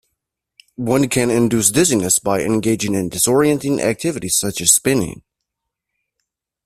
One can induce dizziness by engaging in disorientating activities such as spinning.